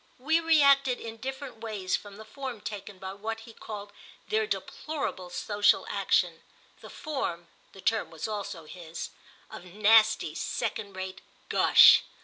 We reacted in different ways from the form taken by what he called their deplorable social action—the form (the term was also his) of nasty second rate gush.